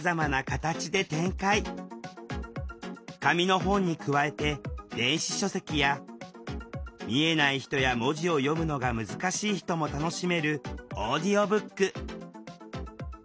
紙の本に加えて「電子書籍」や見えない人や文字を読むのが難しい人も楽しめる「オーディオブック」。